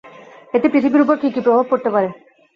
এতে পৃথিবীর উপর কী কী প্রভাব পড়তে পারে?